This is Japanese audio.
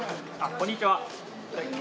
こんにちは。